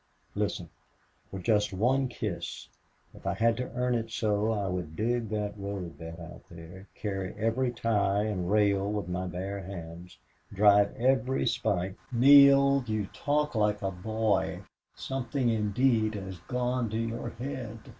Listen. For just one kiss if I had to earn it so I would dig that roadbed out there, carry every tie and rail with my bare hands, drive every spike " "Neale, you talk like a boy. Something, indeed, has gone to your head."